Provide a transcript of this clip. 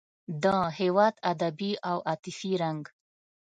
د هېواد ادبي او عاطفي رنګ.